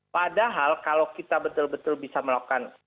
padahal kalau kita betul betul bisa melakukan